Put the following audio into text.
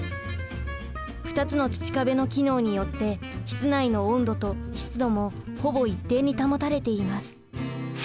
２つの土壁の機能によって室内の温度と湿度もほぼ一定に保たれています。